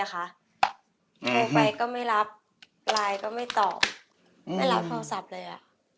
เลยค่ะไปไปก็ไม่รับไลน์ก็ไม่ตอบไม่รับโทรศัพท์เลยอ่ะ